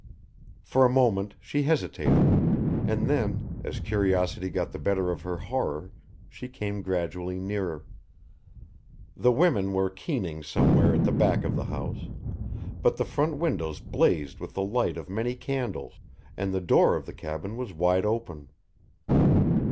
For a moment she hesitated, and then, as curiosity got the better of her horror, she came gradually nearer. The women were keening somewhere at the back of the house, but the front windows blazed with the light of many candles, and the door of the cabin was wide open.